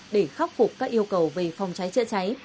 để khắc phục các yêu cầu về phòng cháy chữa cháy